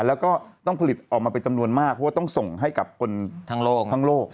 แล้วก็ต้องผลิตออกมาเป็นจำนวนมากเพราะว่าต้องส่งให้กับคนทั้งโลก